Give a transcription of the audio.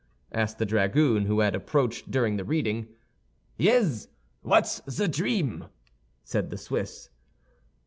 asked the dragoon, who had approached during the reading. "Yez; what's the dream?" said the Swiss.